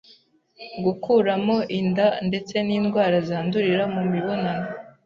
gukuramo inda ndetse n'indwara zandurira mu mibonano